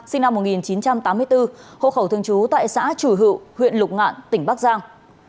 sinh năm một nghìn chín trăm tám mươi bốn hộ khẩu thường trú tại xã chủ hữu huyện lục ngạn tỉnh bắc giang